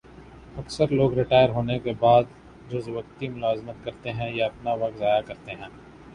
اکثر لوگ ریٹائر ہونے کے بعد جزوقتی ملازمت کرتے ہیں یا اپنا وقت ضائع کرتے ہیں